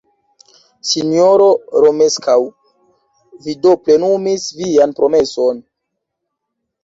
Sinjoro Romeskaŭ, vi do plenumis vian promeson?